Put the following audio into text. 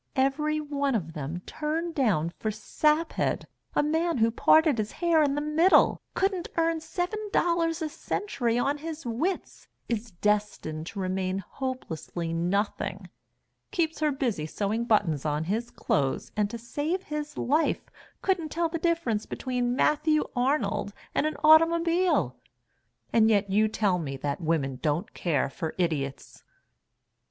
Everyone of 'em turned down for Saphead, a man who parted his hair in the middle, couldn't earn seven dollars a century on his wits, is destined to remain hopelessly nothing, keeps her busy sewing buttons on his clothes, and to save his life couldn't tell the difference between Matthew Arnold and an automobile, and yet you tell me that women don't care for idiots."